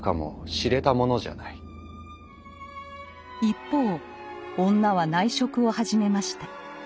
一方女は内職を始めました。